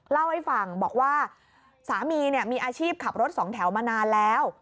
เล่าให้ฟังบอกว่าสามีมีอาชีพขับรถสองแถวมานานแล้ว